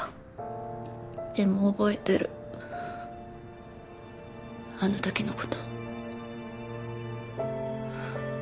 でも覚えてるあの時の事。